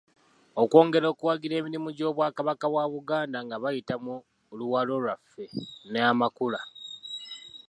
Okwongera okuwagira emirimu gy'Obwakabaka bwa Buganda nga bayita mu ‘Luwalo Lwaffe' ne ‘Amakula.'